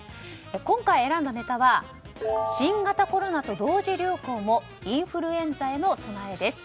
今回、選んだネタは新型コロナと同時流行もインフルエンザへの備えです。